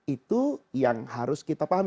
itu yang harus kita pahami